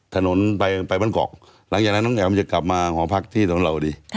ถนนไปบ้านกอกหลังจากนั้นน้องแอ๋มจะกลับมาหอพักที่สำเหล่าดี